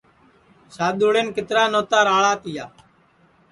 سادؔوݪین کِترا نوتا راݪا تیا